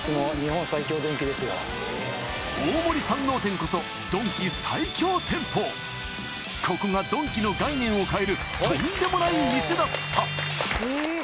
大森山王店こそここがドンキの概念を変えるとんでもない店だったえっ